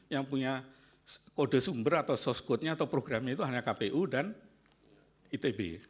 yang punya kode sumber atau sosgotnya atau programnya itu hanya kpu dan itb